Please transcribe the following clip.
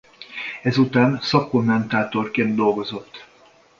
Ezután szakkommentátorként dolgozott.